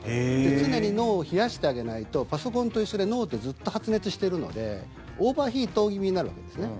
常に脳を冷やしてあげないとパソコンと一緒で脳ってずっと発熱しているのでオーバーヒート気味になるわけですね。